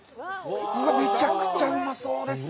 めちゃくちゃうまそうですね。